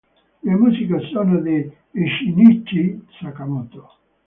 Le musiche sono di Shinichi Sakamoto.